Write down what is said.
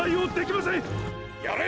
やれ！